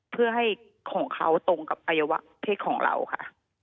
เพื่อให้ของเขาตรงกับอวัยวะเพศของเราค่ะ